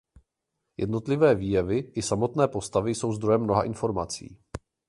Jednotlivé výjevy i samotné postavy jsou zdrojem mnoha informací.